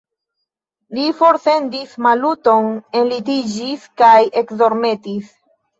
Li forsendis Maluton, enlitiĝis kaj ekdormetis.